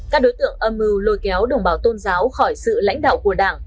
các đối tượng âm mưu lôi kéo đồng bào tôn giáo khỏi sự lãnh đạo của đảng